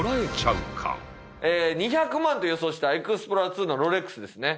２００万と予想したエクスプローラーⅡのロレックスですね。